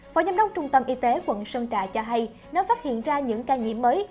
phó giám đốc trung tâm y tế quận sơn trà cho hay nếu phát hiện ra những ca nhiễm mới